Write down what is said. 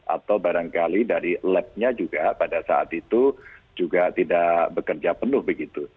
atau barangkali dari labnya juga pada saat itu juga tidak bekerja penuh begitu